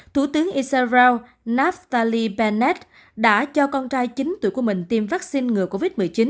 thủ tướng isara naftali pennet đã cho con trai chín tuổi của mình tiêm vaccine ngừa covid một mươi chín